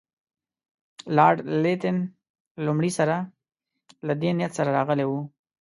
لارډ لیټن له لومړي سره له دې نیت سره راغلی وو.